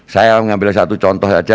saya mengambil satu contoh saja